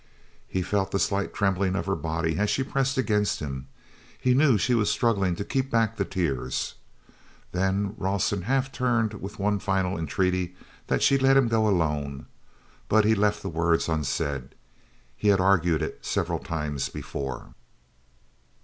He felt the slight trembling of her body as she pressed against him; he knew she was struggling to keep back the tears. Then Rawson half turned with one final entreaty that she let him go alone; but he left the words unsaid—he had argued it several times before.